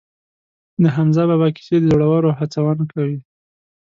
د حمزه بابا کیسې د زړورو هڅونه کوي.